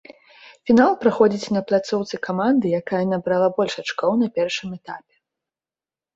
Фінал праходзіць на пляцоўцы каманды, якая набрала больш ачкоў на першым этапе.